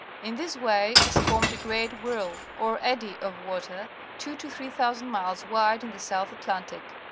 In this way is formed a great whirl, or eddy, of water, two to three thou sand miles wide in the South Atlantic.